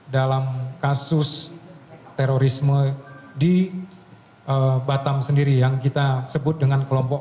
dalam kasus terorisme di batam sendiri yang kita sebut dengan kelompok